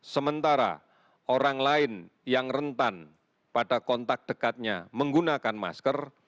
sementara orang lain yang rentan pada kontak dekatnya menggunakan masker